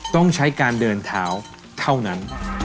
ต้องใช้การเดินเท้าเท่านั้น